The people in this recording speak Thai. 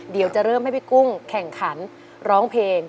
เดี๋ยวจะเริ่มให้พี่กุ้งแข่งขันร้องเพลง